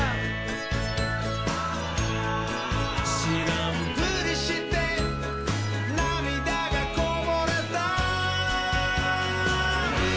「しらんぷりしてなみだがこぼれた」